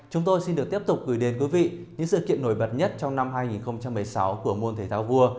chúng tôi xin được tiếp tục gửi đến quý vị những sự kiện nổi bật nhất trong năm hai nghìn một mươi sáu của môn thể thao vua